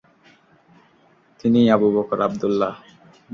তিনিই আবু বকর আবদুল্লাহ!